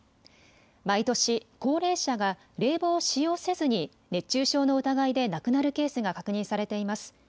毎年、高齢者が冷房を使用せずに熱中症の疑いで亡くなるケースが確認されています。